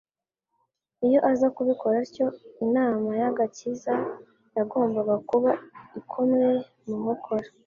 Iyo aza kubikora atyo, inama y'agakiza yagombaga kuba ikomwe mu nkokora.